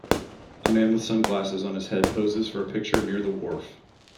A man with sunglasses on his head poses for a picture near the wharf.